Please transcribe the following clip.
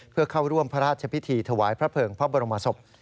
เพื่อเข้าร่วมพระราชพิธีถวายพระเภิงพระบรมศพ